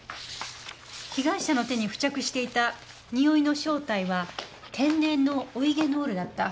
被害者の手に付着していたにおいの正体は天然のオイゲノールだった。